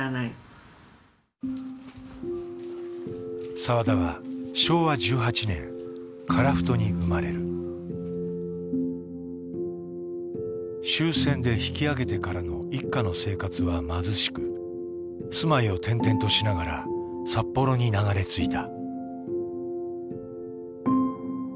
澤田は終戦で引き揚げてからの一家の生活は貧しく住まいを転々としながら札幌に流れ着いた。